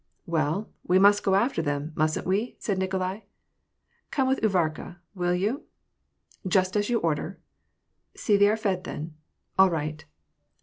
^^ Well, we must go after them, mustn't we ?" said Nikolai " Come with XJvarka, will you ?"" Just as you order !"" See they are fed, then." *' All right!"